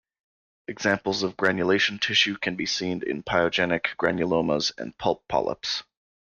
Examples of granulation tissue can be seen in pyogenic granulomas and pulp polyps.